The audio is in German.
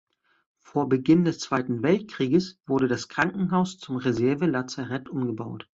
Vor Beginn des Zweiten Weltkrieges wurde das Krankenhaus zum Reservelazarett umgebaut.